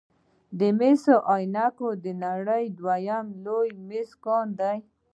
د مس عینک کان د نړۍ دویم لوی د مسو کان دی